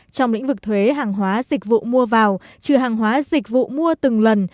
trong lĩnh vực thuế hàng hóa dịch vụ mua vào trừ hàng hóa dịch vụ mua từng lần